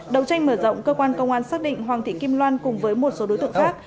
đầu tranh mở rộng cơ quan công an xác định hoàng thị kim loan cùng với một số đối tượng khác